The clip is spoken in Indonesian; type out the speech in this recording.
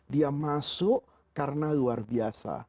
dia masuk karena luar biasa